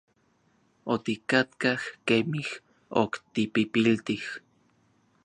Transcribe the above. Otikatkaj kemij ok tipipiltij.